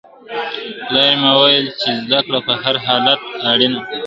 پلار مي وویل: چي زده کړه په هر حالت کي اړینه ده.